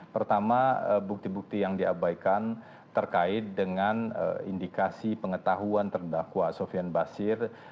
pertama bukti bukti yang diabaikan terkait dengan indikasi pengetahuan terdakwa sofian basir